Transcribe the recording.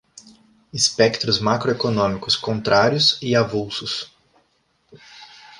Espectros macroeconômicos contrários e avulsos